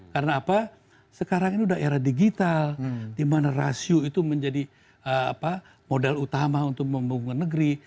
karena apa sekarang ini udah era digital dimana rasio itu menjadi modal utama untuk membangun negeri